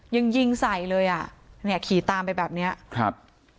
ยังยิงใส่เลยอ่ะเนี่ยขี่ตามไปแบบเนี้ยครับ